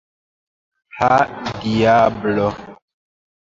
Ha, diablo!